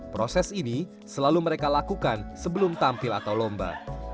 proses ini selalu mereka lakukan sebelum tampil atau lomba